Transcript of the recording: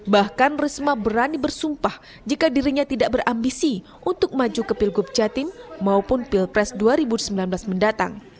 bahkan risma berani bersumpah jika dirinya tidak berambisi untuk maju ke pilgub jatim maupun pilpres dua ribu sembilan belas mendatang